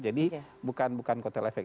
jadi bukan kotel efek